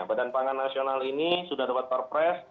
badan pangan nasional ini sudah dapat perpres